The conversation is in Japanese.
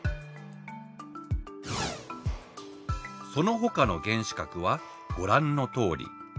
そのほかの原子核はご覧のとおり。